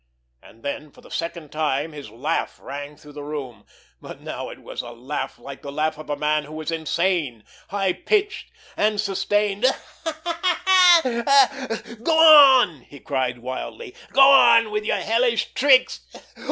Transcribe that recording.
And then for the second time his laugh rang through the room, but now it was a laugh like the laugh of a man that was insane, high pitched, sustained. "Go on!" he cried wildly. "Go on with your hellish tricks!